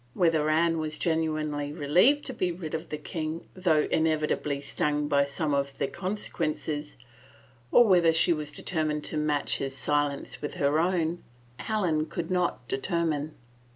Whether Anne was genuinely relieved to be rid of the king, though inevitably stung by some of the conse quences, or whether she was determined to match his silence with her own, Helen could not determine.